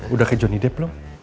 udah kayak johnny dep loh